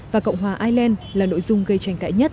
và cộng hòa ireland là nội dung gây tranh cãi nhất